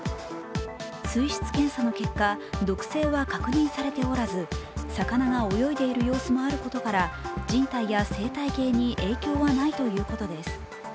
水質検査の結果、毒性は確認されておらず魚が泳いでいる様子もあることから人体や生態系に影響はないということです。